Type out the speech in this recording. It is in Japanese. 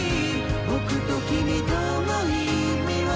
僕と君との意味を」